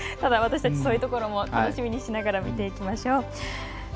私たちはそういうところも楽しみにしながら見ていきましょう。